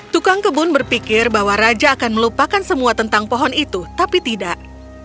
tukang kebun berpikir bahwa raja akan melupakan semua tentang pohon itu tapi tidak